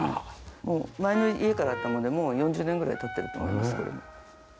もう前の家からあったものでもう４０年ぐらい経ってると思いますけども。